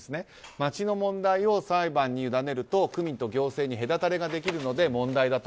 町の問題を裁判に委ねると区民と行政に隔たりができるので問題だと。